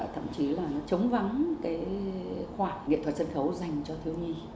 thậm chí là nó chống vắng cái khoảng nghệ thuật sân khấu dành cho thiếu nhi